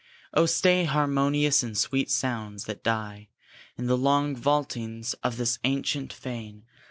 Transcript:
Oh, stay, harmonious and sweet sounds, that die In the long vaultings of this ancient fane!